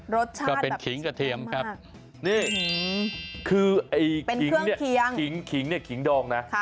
รสชาติแบบแข็งมากเป็นเครื่องเคียงนี่คือไอ้ขิงเนี่ยขิงดองนะ